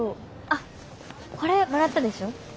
あこれもらったでしょ？